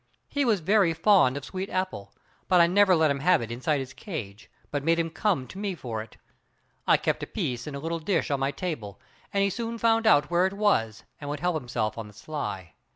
He was very fond of sweet apple, but I never let him have it inside his cage, but made him come to me for it. I kept a piece in a little dish on my table and he soon found out where it was and would help himself on the sly.